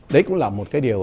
đấy cũng là một cái điều